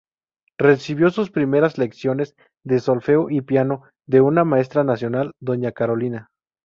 Recibió sus primeras lecciones de solfeo y piano de una maestra nacional, doña Carolina.